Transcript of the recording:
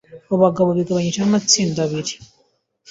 Abo bagabo bigabanyijemo amatsinda abiri,